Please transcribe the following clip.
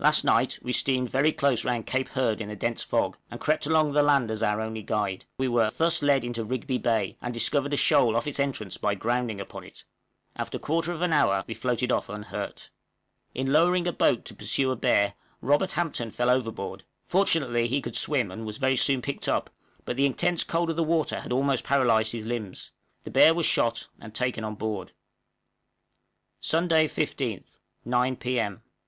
Last night we steamed very close round Cape Hurd in a dense fog, and crept along the land as our only guide: we were thus led into Rigby Bay, and discovered a shoal off its entrance by grounding upon it. After a quarter of an hour we floated off unhurt. In lowering a boat to pursue a bear, Robert Hampton fell overboard; fortunately he could swim, and was very soon picked up, but the intense cold of the water had almost paralyzed his limbs. The bear was shot and taken on board. _Sunday, 15th, 9 P.M.